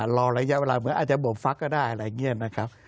รอระยะเวลาเหมือนอาจจะบ่มฟักก็ได้อะไรอย่างนี้นะครับ